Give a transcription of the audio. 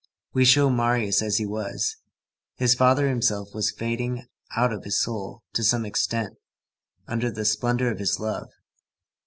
We show Marius as he was. His father himself was fading out of his soul to some extent, under the splendor of his love.